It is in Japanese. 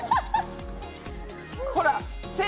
ほら。